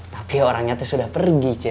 tapi orangnya teh sudah pergi ce